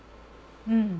うん。